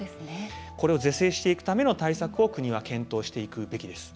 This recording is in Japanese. これを是正していくための対策を国は検討していくべきです。